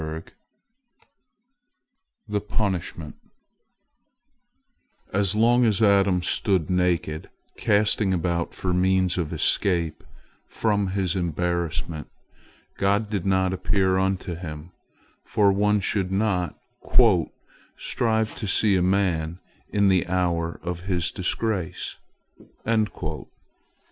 THE PUNISHMENT As long as Adam stood naked, casting about for means of escape from his embarrassment, God did not appear unto him, for one should not "strive to see a man in the hour of his disgrace."